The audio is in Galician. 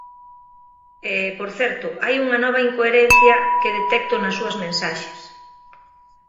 E, por certo, hai unha nova incoherencia que detecto nas súas mensaxes.